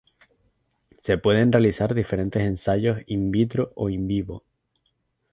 Se pueden realizar diferentes ensayos "in vitro" o" in vivo".